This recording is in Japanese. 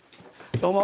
どうも。